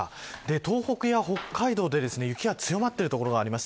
東北や北海道で雪が強まっている所があります。